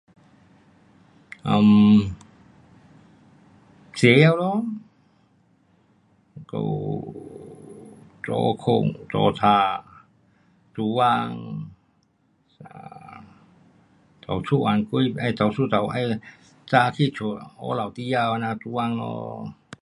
um 吃药咯，还有早睡早醒，做工，um 早出晚归，um 早出早 um 早起出下午这样做工咯。